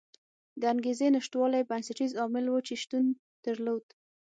د انګېزې نشتوالی بنسټیز عامل و چې شتون درلود.